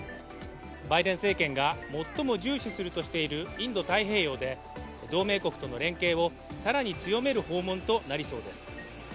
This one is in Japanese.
バイデン政権が最も重視するとしているインド太平洋で同盟国との連携を更に強める訪問となりそうです。